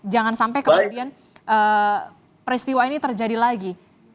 jangan sampai kemudian peristiwa ini terjadi lagi